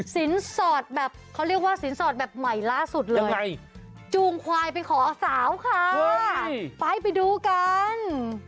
สินสอดแบบเขาเรียกว่าสินสอดแบบใหม่ล่าสุดเลยจูงควายไปขอสาวค่ะไปไปดูกัน